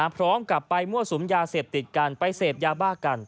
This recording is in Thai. พร้อมกับไปมั่วสุมยาเสพติดกันไปเสพยาบ้ากัน